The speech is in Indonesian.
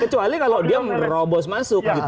kecuali kalau dia merobos masuk gitu